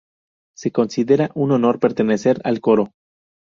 Se considera un honor pertenecer al coro.